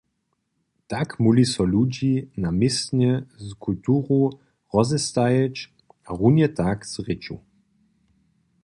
Tak móhli so ludźo na městnje z kulturu rozestajeć a runje tak z rěču.